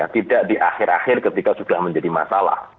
tidak di akhir akhir ketika sudah menjadi masalah